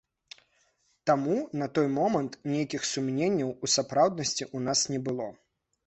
Таму на той момант нейкіх сумненняў у сапраўднасці ў нас не было.